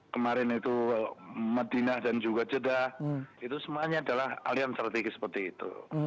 kemarin itu medinah dan juga jeddah itu semuanya adalah alian strategis seperti itu